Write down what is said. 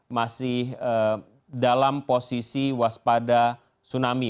masih dalam posisi waspada tsunami